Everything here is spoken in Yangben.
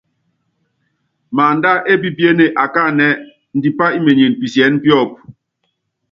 Maándá épípíéné akáánɛ́, índipá imenyene pisiɛ́nɛ píɔ́pú.